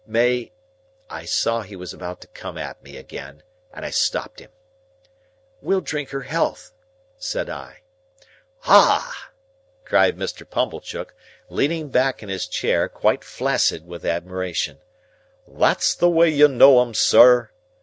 May—" I saw he was about to come at me again, and I stopped him. "We'll drink her health," said I. "Ah!" cried Mr. Pumblechook, leaning back in his chair, quite flaccid with admiration, "that's the way you know 'em, sir!"